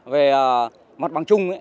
về mặt bằng chung